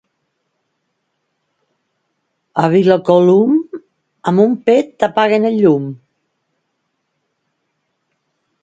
A Vilacolum, amb un pet apaguen el llum.